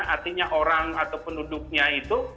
artinya orang atau penduduknya itu